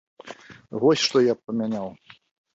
Вось, што я б памяняў.